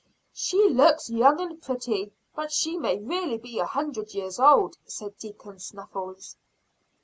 "She looks young and pretty, but she may really be a hundred years old," said deacon Snuffles.